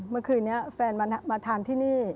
เมื่อคืนนี้แฟนมาทานที่นี่